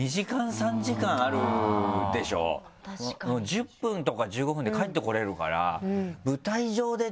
１０分とか１５分で帰ってこれるから。